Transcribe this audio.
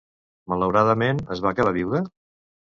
Malauradament, es va quedar viuda?